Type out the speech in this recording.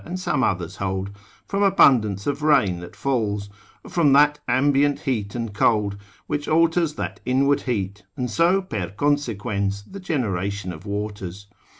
9. and some others hold, from abundance of rain that falls, or from that ambient heat and cold, which alters that inward heat, and so per consequens the generation of waters.